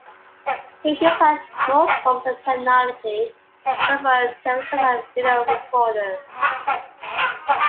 He dislikes most forms of technology except for televisions and video recorders.